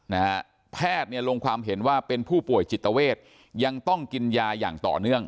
นะฮะแพทย์เนี่ยลงความเห็นว่าเป็นผู้ป่วยจิตเวทยังต้องกินยาอย่างต่อเนื่อง